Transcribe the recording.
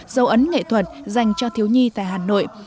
dấu ấn nghệ thuật dành cho thiếu nhi tại hà nội